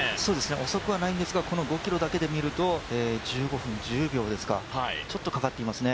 遅くはないんですが、この５ｋｍだけで見ると１５分１０秒ですか、ちょっと、かかっていますね。